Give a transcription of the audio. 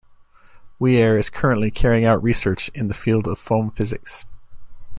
Weaire is currently carrying out research in the field of foam physics.